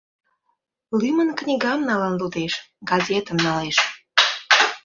Лӱмын книгам налын лудеш, газетым налеш.